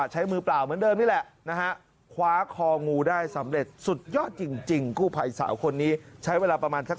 เหนื่อยนะฮะ